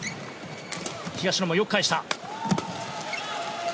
東野もよく返した。